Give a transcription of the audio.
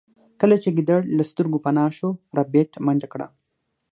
کله چې ګیدړ له سترګو پناه شو ربیټ منډه کړه